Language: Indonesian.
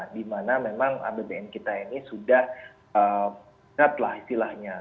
di mana memang apbn kita ini sudah beratlah istilahnya